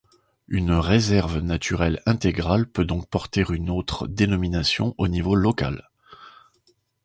Une réserve naturelle intégrale peut donc porter une autre dénomination au niveau local.